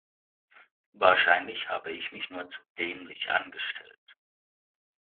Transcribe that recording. Wahrscheinlich habe ich mich nur zu dämlich angestellt.